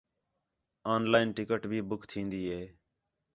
آن لائن ٹکٹ بھی بُک تھین٘دی ہے